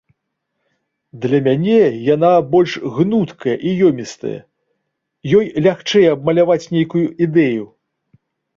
Для мяне яна больш гнуткая і ёмістая, ёй лягчэй абмаляваць нейкую ідэю.